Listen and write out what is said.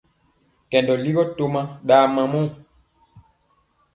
Kɛndɔ ligɔ toma ɗa mamɔɔ.